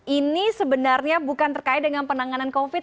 ini sebenarnya bukan terkait dengan penanganan covid sembilan belas